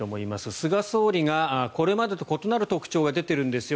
菅総理がこれまでと異なる特徴が出ているんですよ。